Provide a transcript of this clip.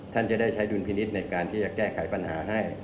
ท่านจะได้ใช้ดุลพินิษฐ์ในการที่จะแก้ไขปัญหาให้